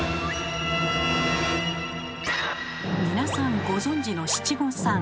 皆さんご存じの七五三。